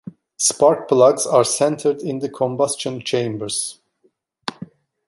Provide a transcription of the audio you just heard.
Spark plugs are centered in the combustion chambers.